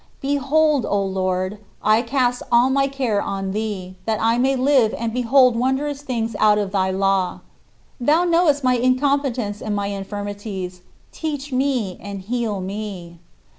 " Behold, O Lord, I cast all my care on thee, that I may live and "behold wondrous things out of thy law." Thou knowest my incompetence and my infirmities; teach me and heal me.